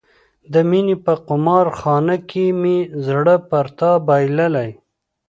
د مینې په قمار خانه کې مې زړه پر تا بایللی.